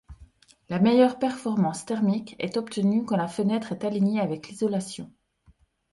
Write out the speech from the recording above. La meilleure performance thermique est obtenue quand la fenêtre est alignée avec l'isolation.